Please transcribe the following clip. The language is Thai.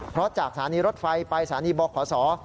เพราะจากสถานีรถไฟไปสถานีบขศ